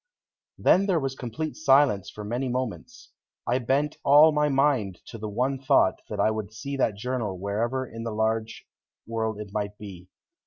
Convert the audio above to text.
Then there was complete silence for many moments. I bent all my mind to the one thought that I would see that journal wherever in the large world it might be.